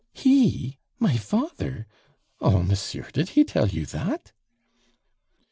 "He! My father? Oh, monsieur, did he tell you that?"